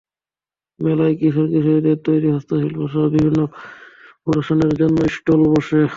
মেলায় কিশোর কিশোরীদের তৈরি হস্তশিল্পসহ বিভিন্ন খাবার সামগ্রী প্রদর্শনের জন্য স্টল বসে।